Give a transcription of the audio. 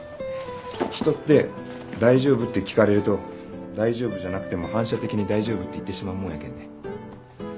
人って「大丈夫？」って聞かれると大丈夫じゃなくても反射的に「大丈夫」って言ってしまうもんやけんね